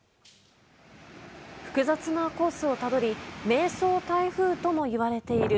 複雑なコースをたどり迷走台風とも呼ばれている